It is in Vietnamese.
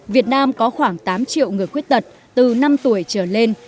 việt nam có khoảng tám triệu người khuyết tật từ năm tuổi trở lên